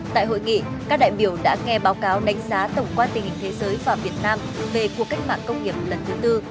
tại hội nghị các đại biểu đã nghe báo cáo đánh giá tổng quan tình hình thế giới và việt nam về cuộc cách mạng công nghiệp lần thứ tư